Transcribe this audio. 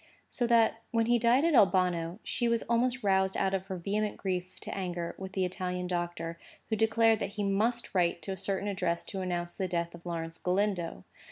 So that, when he died at Albano, she was almost roused out of her vehement grief to anger with the Italian doctor, who declared that he must write to a certain address to announce the death of Lawrence Galindo.